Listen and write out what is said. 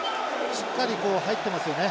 しっかり入ってますよね。